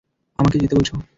আমাকে যেতে বলছ?